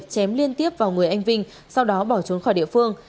chém liên tiếp vào người anh vinh sau đó bỏ trốn khỏi địa phương